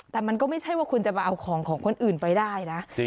แต่มันก็ไม่ใช่ว่าคุณจะมาเอาของของคนอื่นไปได้นะ